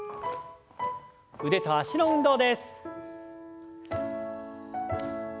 腕と脚の運動です。